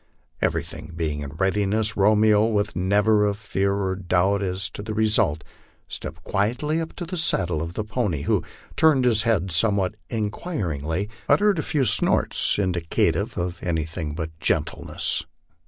Everything being in readiness, Romeo, with never a fear or doubt as to the result, stepped quietly up to the side of the pony, who, turning his head somewhat inquiringly, uttered a few snorts indi cative of anything but gentleness.